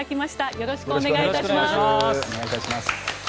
よろしくお願いします。